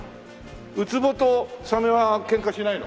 ウツボとサメはケンカしないの？